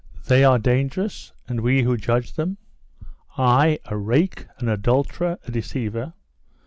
"They are dangerous, and we who judge them? I, a rake, an adulterer, a deceiver.